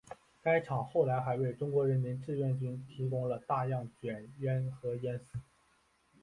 该厂后来还为中国人民志愿军提供了大量卷烟和烟丝。